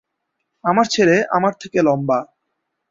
আমার ছেলে আমার থেকে লম্বা।